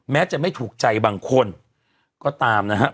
แม้จะไม่ถูกใจบางคนก็ตามนะฮะ